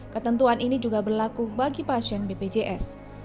ketentuan ini juga berlaku bagi pasien bpjs